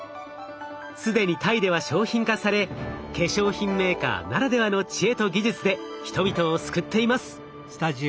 既にタイでは商品化され化粧品メーカーならではの知恵と技術で人々を救っています。